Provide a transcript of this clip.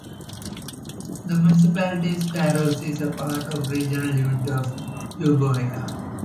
The municipality Skyros is part of the regional unit of Euboea.